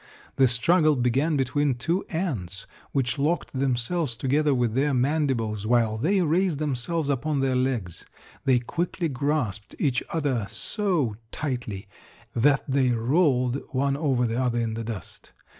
The struggle began between two ants, which locked themselves together with their mandibles, while they raised themselves upon their legs. They quickly grasped each other so tightly that they rolled one over the other in the dust.